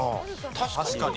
確かに。